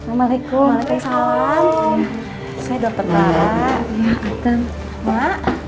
assalamualaikum waalaikumsalam saya dokter para